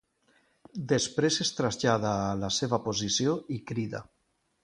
Després es trasllada a la seva posició i crida.